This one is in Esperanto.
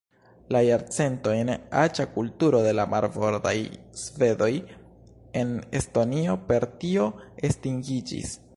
La jarcentojn aĝa kulturo de la "marbordaj svedoj" en Estonio per tio estingiĝis.